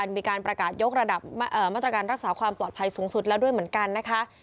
มีการประกาศยกระดับมาตรการรักษาความปลอดภัยสูงสุดแล้วด้วยเหมือนกันนะคะ